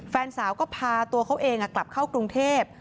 แฟนสาวก็พาตัวเขาเองกลับเข้ากรุงเทพ